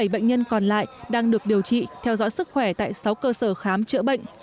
bảy bệnh nhân còn lại đang được điều trị theo dõi sức khỏe tại sáu cơ sở khám chữa bệnh